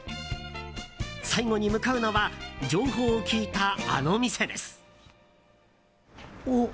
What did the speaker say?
最後に向かうのは情報を聞いた、あの店です。